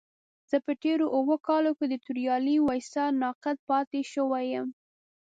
زه په تېرو اوو کالو کې د توريالي ويسا ناقد پاتې شوی يم.